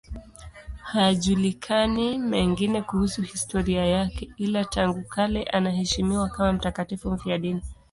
Hayajulikani mengine kuhusu historia yake, ila tangu kale anaheshimiwa kama mtakatifu mfiadini.